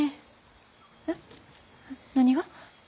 えっ何が？